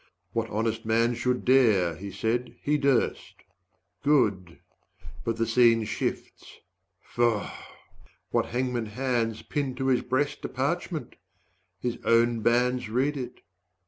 What honest man should dare (he said) he durst. Good but the scene shifts faugh! what hangman hands 100 Pin to his breast a parchment? His own bands Read it.